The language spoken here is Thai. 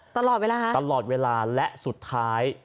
ตลอดเวลาฮะตลอดเวลาและสุดท้าย